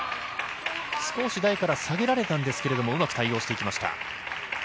少し台から下げられたんですけれどもうまく対応していきました。